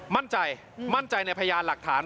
มั่นใจมั่นใจในพยานหลักฐาน